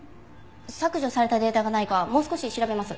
削除されたデータがないかもう少し調べます。